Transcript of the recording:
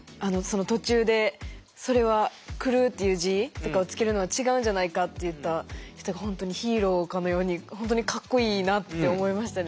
途中でそれは狂うっていう字とかを付けるのは違うんじゃないかって言った人が本当にヒーローかのように本当にかっこいいなって思いましたね。